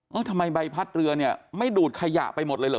ทำไมใบพัดเรือเนี่ยไม่ดูดขยะไปหมดเลยเหรอ